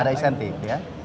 ada insentif ya